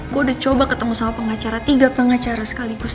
gue udah coba ketemu sama pengacara tiga pengacara sekaligus